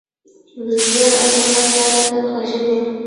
د زیار او زحمت پایله تل خوږه وي.